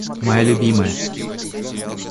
Моя любимая.